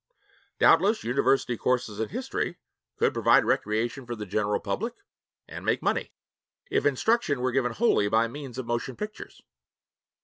Doubtless university courses in history could provide recreation for the general public and make money, if instruction were given wholly by means of motion pictures.